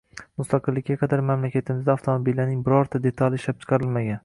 Mustaqillikka qadar mamlakatimizda avtomobillarning birorta detali ishlab chiqarilmagan.